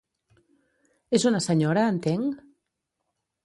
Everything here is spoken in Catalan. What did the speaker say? És una senyora, entenc?